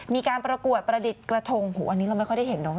มีการประกวดประดิษฐ์กระทงหูอันนี้เราไม่ค่อยได้เห็นเนาะ